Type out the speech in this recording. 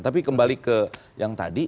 tapi kembali ke yang tadi